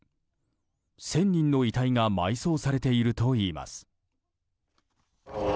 １０００人の遺体が埋葬されているといいます。